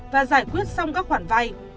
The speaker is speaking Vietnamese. và giải quyết xong các khoản vai